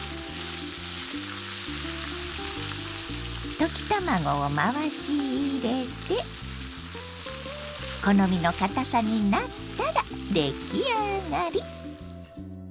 溶き卵を回し入れて好みのかたさになったら出来上がり！